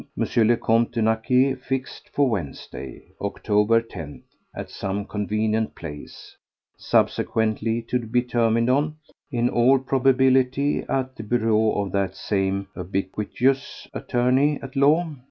le Comte de Naquet fixed for Wednesday, October 10th, at some convenient place, subsequently to be determined on—in all probability at the bureau of that same ubiquitous attorney at law, M.